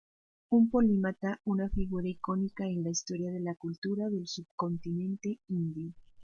Un polímata una figura icónica en la historia de la cultura del subcontinente indio.